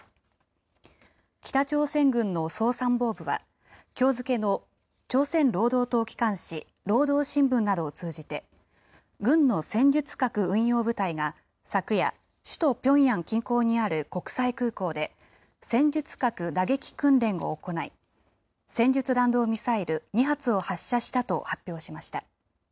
北朝鮮軍の総参謀部は、きょう付けの朝鮮労働党機関紙、労働新聞などを通じて、軍の戦術核運用部隊が昨夜、首都ピョンヤン近郊にある国際空港で、戦術核打撃訓練を行い、戦術弾道ミサイル２発を発射したと発表しました。